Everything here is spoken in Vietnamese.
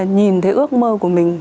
nhìn thấy ước mơ của mình